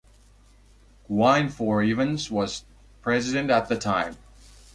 Gwynfor Evans was president at the time.